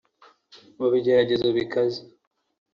mu bigeragezo bikaze